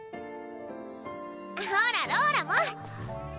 ほらローラも！